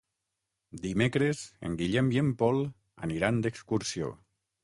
Dimecres en Guillem i en Pol aniran d'excursió.